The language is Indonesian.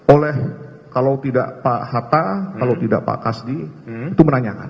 oleh kalau tidak pak hatta kalau tidak pak kasdi itu menanyakan